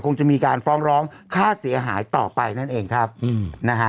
คงจะมีการฟ้องร้องค่าเสียหายต่อไปนั่นเองครับอืมนะฮะ